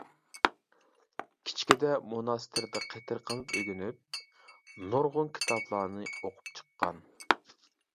كىچىكىدە موناستىردا قېتىرقىنىپ ئۆگىنىپ، نۇرغۇن كىتابلارنى ئوقۇپ چىققان.